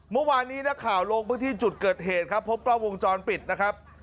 เมื่อวานนี้นักข่าวลงพื้นที่จุดเกิดเหตุครับพบกล้องวงจรปิดนะครับ